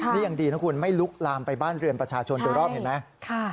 นี่ยังดีนะคุณไม่ลุกลามไปบ้านเรือนประชาชนโดยรอบเห็นไหม